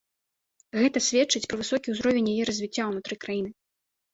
Гэта сведчыць пра высокі ўзровень яе развіцця ўнутры краіны.